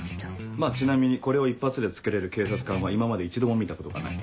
まぁちなみにこれを一発で着けれる警察官は今まで一度も見たことがない。